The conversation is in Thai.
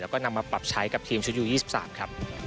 แล้วก็นำมาปรับใช้กับทีมชุดยู๒๓ครับ